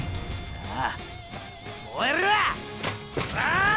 ああ。